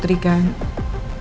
putri tuh gak punya apa apa